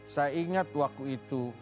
saya ingat waktu itu